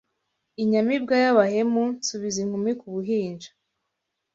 Inyamibwa y,abahemuka nsubiza inkumi ku buhinja